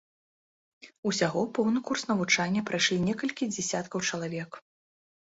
Усяго поўны курс навучання прайшлі некалькі дзясяткаў чалавек.